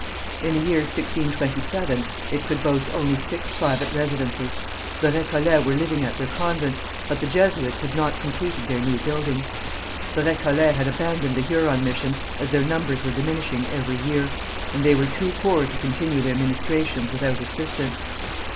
In the year 1627 it could boast only six private residences. The Récollets were living at their convent, but the Jesuits had not completed their new building. The Récollets had abandoned the Huron mission as their numbers were diminishing every year, and they were too poor to continue their ministrations without assistance.